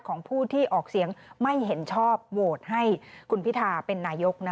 ของผู้ที่ออกเสียงไม่เห็นชอบโหวตให้คุณพิทาเป็นนายก